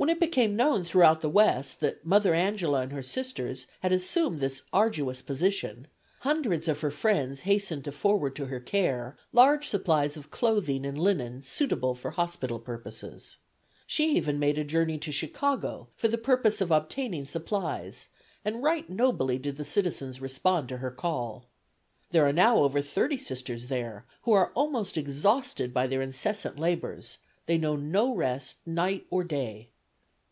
"When it became known throughout the West that Mother Angela and her Sisters had assumed this arduous position, hundreds of her friends hastened to forward to her care large supplies of clothing and linen suitable for hospital purposes. She even made a journey to Chicago for the purpose of obtaining supplies, and right nobly did the citizens respond to her call. There are now over thirty Sisters there, who are almost exhausted by their incessant labors; they know no rest night or day.